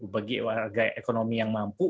bagi warga ekonomi yang mampu